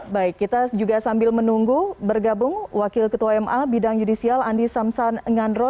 baik kita juga sambil menunggu bergabung wakil ketua ma bidang judisial andi samsan ngandro